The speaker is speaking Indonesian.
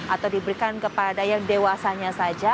atau diberikan kepada yang dewasanya saja